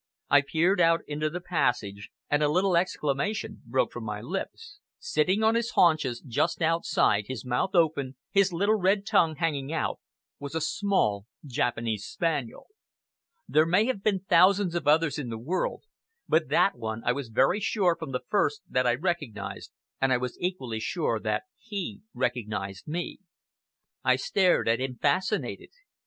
I peered out into the passage, and a little exclamation broke from my lips. Sitting on his haunches just outside, his mouth open, his little, red tongue hanging out, was a small Japanese spaniel. There may have been thousands of others in the world, but that one I was very sure, from the first, that I recognized, and I was equally sure that he recognized me. I stared at him fascinated.